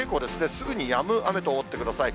すぐにやむ雨と思ってください。